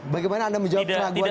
bagaimana anda menjawab kelaguan itu